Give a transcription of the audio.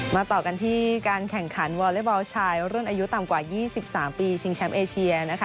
ต่อกันที่การแข่งขันวอเล็กบอลชายรุ่นอายุต่ำกว่า๒๓ปีชิงแชมป์เอเชียนะคะ